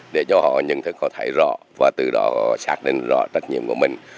để cho họ nhận thức họ thấy rõ và từ đó xác định rõ trách nhiệm của mình